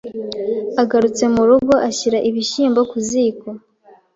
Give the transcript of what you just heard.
agarutse mu rugo ashyira ibishyimbo ku ziko.